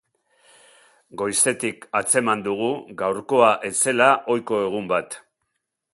Goizetik atzeman dugu gaurkoa ez zela ohiko egun bat.